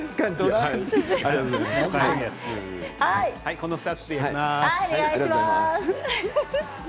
この２つでいきます。